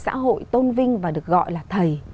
xã hội tôn vinh và được gọi là thầy